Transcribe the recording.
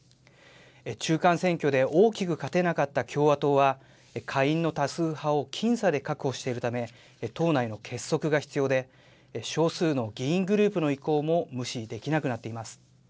中間選挙で大きく勝てなかった共和党は、下院の多数派を僅差で確保しているため、党内の結束が必要で、少数の議員グループの意向も無視できなくなっています。